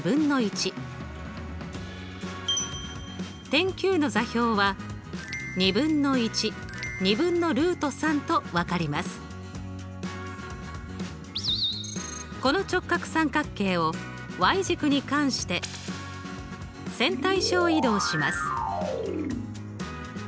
点Ｑの座標はこの直角三角形を軸に関して線対称移動します。